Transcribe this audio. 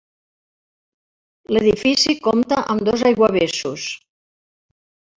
L'edifici compta amb dos aiguavessos.